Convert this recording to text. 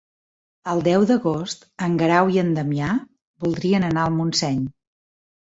El deu d'agost en Guerau i en Damià voldrien anar a Montseny.